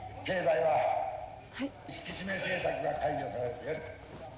はい。